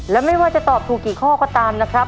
และไม่ว่าจะตอบถูกกี่ข้อก็ตามนะครับ